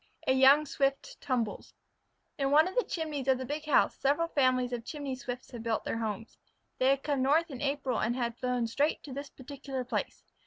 A YOUNG SWIFT TUMBLES In one of the chimneys of the big house several families of Chimney Swifts had built their homes. They had come north in April and flown straight to this particular place.